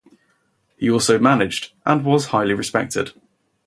He also managed, and was highly respected.